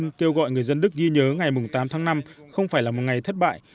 ông kêu gọi người dân đức ghi nhớ ngày tám tháng năm không phải là một ngày thất bại